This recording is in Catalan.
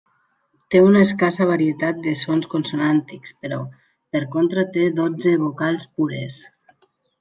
Té una escassa varietat de sons consonàntics però, per contra té dotze vocals pures.